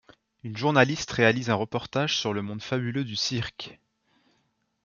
Une journaliste réalise un reportage sur le monde fabuleux du cirque.